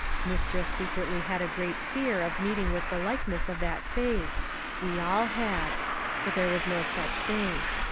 Mistress secretly had great fear of meeting with the likeness of that face—we all had; but there was no such thing.